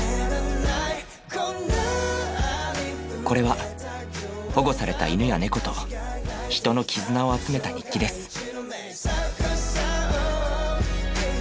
これは保護された犬や猫と人の絆を集めた日記です。